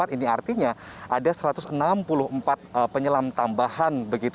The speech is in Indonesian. ini artinya ada satu ratus enam puluh empat penyelam tambahan